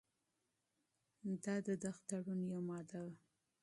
دا د معاهدې یوه ماده وه.